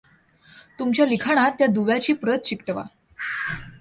तुमच्या लिखाणात त्या दुव्याची प्रत चिकटवा.